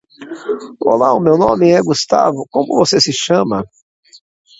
Olá, meu nome é Gustavo, como você se chama?